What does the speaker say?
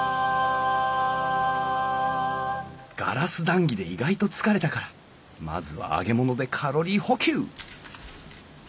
ガラス談義で意外と疲れたからまずは揚げ物でカロリー補給！